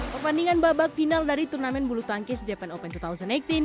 pertandingan babak final dari turnamen bulu tangkis japan open dua ribu delapan belas